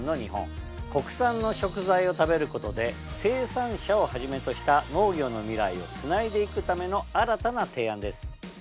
国産の食材を食べることで生産者をはじめとした農業の未来をつないでいくための新たな提案です。